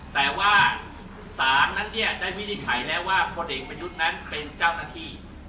แต่ว่าศาลนั้นเนี่ยได้วินิจฉัยแล้วว่าพลเอกประยุทธ์นั้นเป็นเจ้าหน้าที่